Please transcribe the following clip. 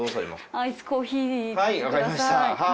アイスコーヒーください。